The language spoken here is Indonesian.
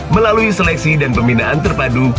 melalui seleksi dan pembinaan terpadu